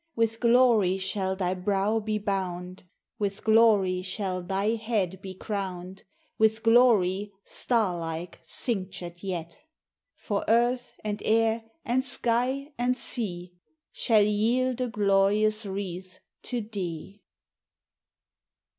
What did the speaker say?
With glory shall thy brow be bound ', With glory shall thy head be crowned ; With glory, starlike, cinctured yet ! For earth, and air, and sky, and sea, Shall yield a glorious wreath to thee.